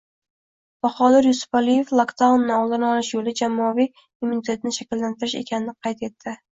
Bahodir Yusupaliyev lokdaunni oldini olish yo‘li jamoaviy immunitetni shakllantirish ekanini qayd etdi